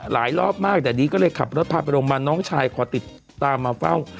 รอบมากแต่ดีก็เลยขับรถพาไปโรงพยาบาลน้องชายขอติดตามมาเฝ้า